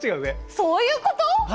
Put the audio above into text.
そういうこと？